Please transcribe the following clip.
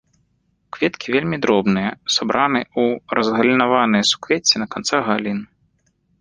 Кветкі вельмі дробныя, сабраны ў разгалінаваныя суквецці на канцах галін.